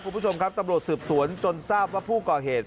คุณผู้ชมครับตำรวจสืบสวนจนทราบว่าผู้ก่อเหตุ